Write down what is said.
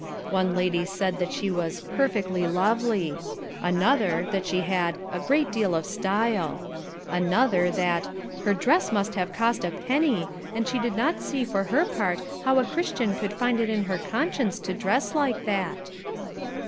One lady said she was "perfectly lovely;" another, that she had "a great deal of style;" another, that "her dress must have cost a penny, and she did not see for her part how a Christian could find it in her conscience to dress like that."